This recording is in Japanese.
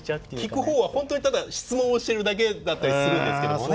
聞く方は本当にただ質問をしているだけだったりするんですけどもね。